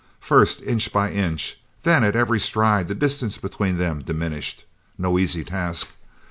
First inch by inch; then at every stride the distance between them diminished. No easy task.